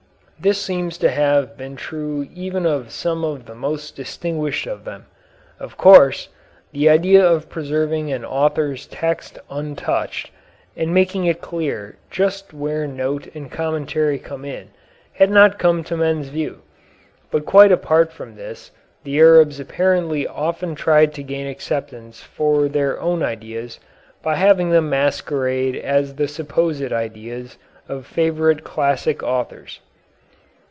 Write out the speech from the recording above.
This seems to have been true even of some of the most distinguished of them. Of course, the idea of preserving an author's text untouched, and making it clear just where note and commentary came in, had not yet come to men's view, but quite apart from this the Arabs apparently often tried to gain acceptance for their own ideas by having them masquerade as the supposed ideas of favorite classic authors.